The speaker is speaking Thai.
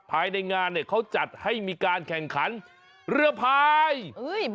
ภายในงานเนี่ยเขาจัดให้มีการแข่งขันเรือพาย